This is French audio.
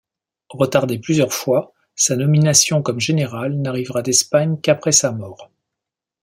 Retardé plusieurs fois, sa nomination comme général n'arrivera d'Espagne qu'après sa mort.